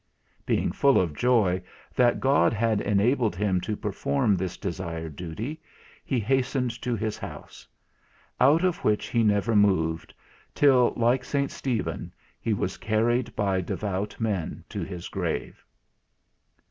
Being full of joy that God had enabled him to perform this desired duty, he hastened to his house; out of which he never moved, till, like St. Stephen, "he was carried by devout men to his grave."